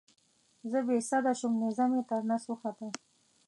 زه بې سده شوم نیزه مې تر نس وخوته.